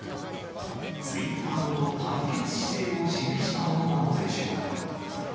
ツイッターとの対決姿勢を示したものなのでしょうか。